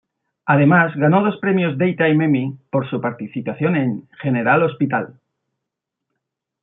Además ganó dos Premios Daytime Emmy por su participación en "General Hospital".